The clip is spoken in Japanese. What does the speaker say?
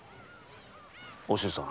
お静さん。